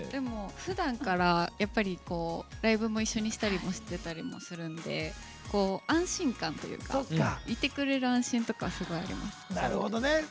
ふだんから、ライブも一緒にしてたりするので安心感というかいてくれる安心とかすごいあります。